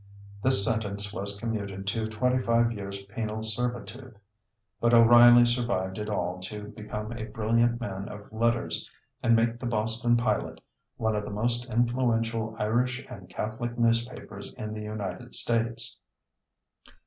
This sentence was commuted to twenty five years' penal servitude; but O'Reilly survived it all to become a brilliant man of letters and make the Boston Pilot one of the most influential Irish and Catholic newspapers in the United States.